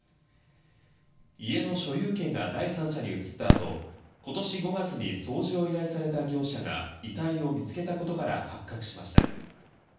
家の所有権が第三者に移った後今年５月に掃除を依頼された業者が遺体を見つけたことから発覚しました。